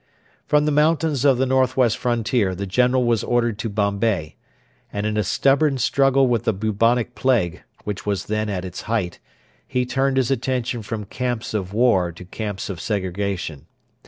From the mountains of the North West Frontier the general was ordered to Bombay, and in a stubborn struggle with the bubonic plague, which was then at its height, he turned his attention from camps of war to camps of segregation.